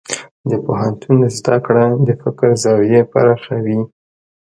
د پوهنتون زده کړه د فکر زاویې پراخوي.